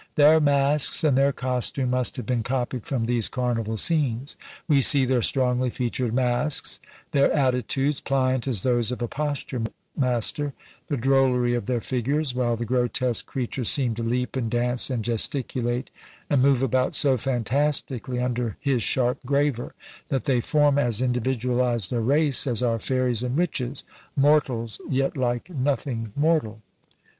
Their masks and their costume must have been copied from these carnival scenes. We see their strongly featured masks; their attitudes, pliant as those of a posture master; the drollery of their figures; while the grotesque creatures seem to leap, and dance, and gesticulate, and move about so fantastically under his sharp graver, that they form as individualised a race as our fairies and witches; mortals, yet like nothing mortal!